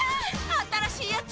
新しいやつ！